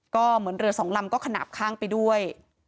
ก็เหมือนเรือสองลำก็ขนาดข้างไปด้วย